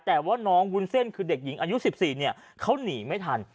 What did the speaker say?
แต่ว่าน้องวุ้นเส้นคือเด็กหญิงอายุ๑๔เนี่ยเขาหนีไม่ทัน